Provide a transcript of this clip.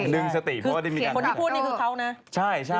คนที่พูดนี่คือเขานะ